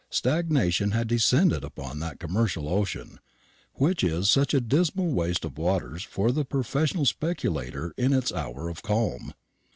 Stagnation had descended upon that commercial ocean, which is such a dismal waste of waters for the professional speculator in its hour of calm.